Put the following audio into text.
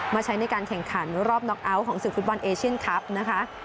ใช้ในการแข่งขันรอบน็อกเอาท์ของศึกฟุตบอลเอเชียนคลับนะคะ